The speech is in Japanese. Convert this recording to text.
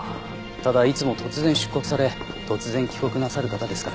ただいつも突然出国され突然帰国なさる方ですから。